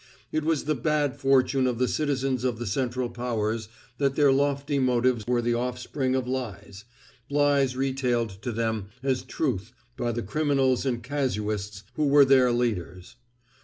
It was the bad fortune of the citizens of the Central Powers that their lofty motives were the offspring of lies—lies retailed to them as truth by the criminals and casuists who were their leaders.